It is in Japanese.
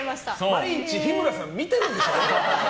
毎日、日村さん見てるでしょ。